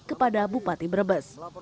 kepada bupati brebes